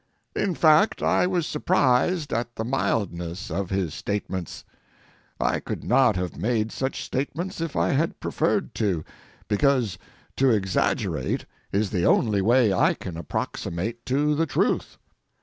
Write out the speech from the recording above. In fact, I was surprised at the mildness of his statements. I could not have made such statements if I had preferred to, because to exaggerate is the only way I can approximate to the truth.